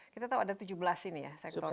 kita tahu ada tujuh belas ini ya